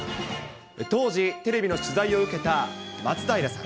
当時、テレビの取材を受けた松平さん。